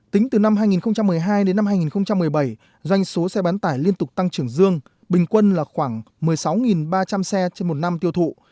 tính từ năm hai nghìn một mươi hai đến năm hai nghìn một mươi bảy doanh số xe bán tải liên tục tăng trưởng dương bình quân là khoảng một mươi sáu ba trăm linh xe trên một năm tiêu thụ